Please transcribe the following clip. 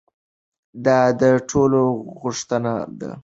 دا د ټولو غوښتنه ده.